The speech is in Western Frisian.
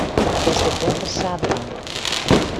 Kinst it better sa dwaan.